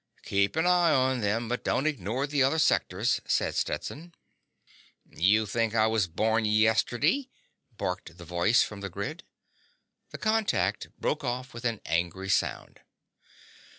"Keep an eye on them, but don't ignore the other sectors," said Stetson. "You think I was born yesterday?" barked the voice from the grid. The contact broke off with an angry sound.